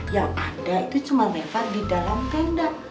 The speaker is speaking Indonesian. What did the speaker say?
yang ada itu cuma nepar di dalam tenda